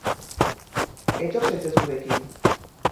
Etor zaitez gurekin.